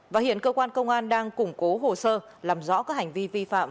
và hiện cơ quan công an đang củng cố hồ sơ làm rõ các hành vi vi phạm